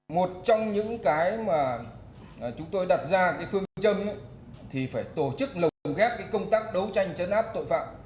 một trong những cái mà chúng tôi đặt ra cái phương chân thì phải tổ chức nồng ghép công tác đấu tranh trấn áp tội phạm